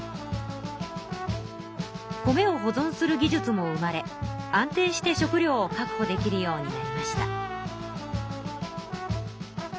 米を保ぞんする技術も生まれ安定して食りょうを確保できるようになりました。